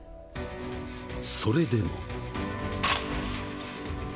それでも。